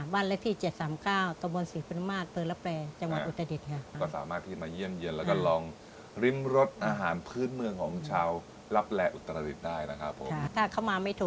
ถ้าเขามาไม่ถูกก็โทรมาได้ค่ะเขาโทรมาจีบได้มั้ยเนี่ย